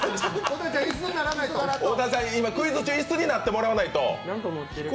オダチャン、クイズ中椅子になってもらわないと。